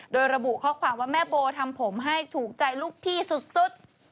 โดยระบุข้อความว่าแม่โบทำผมให้ถูกใจลูกพี่สุด